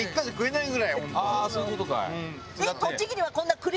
ああそういう事かい。